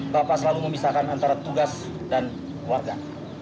bapak selalu memisahkan antara tugas dan warga